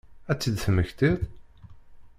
Ad tt-id-temmektiḍ?